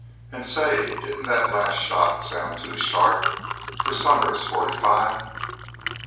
"An', say, didn't thet last shot sound too sharp fer Somers's forty five?"